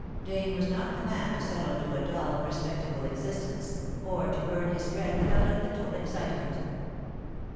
Dane was not the man to settle to a dull, respectable existence or to earn his bread without a little excitement.